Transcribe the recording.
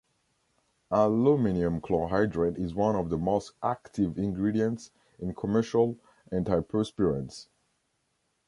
Aluminium chlorohydrate is one of the most common active ingredients in commercial antiperspirants.